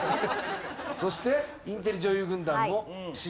そしてインテリ女優軍団もＣ。